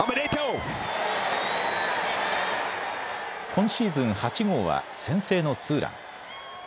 今シーズン８号は先制のツーラン。